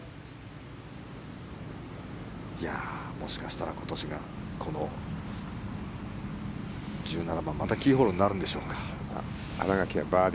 もしかしたら今年この１７番またキーホールになるんでしょうか。